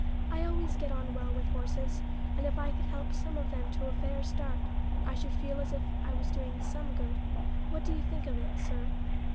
I always get on well with horses, and if I could help some of them to a fair start I should feel as if I was doing some good. What do you think of it, sir?"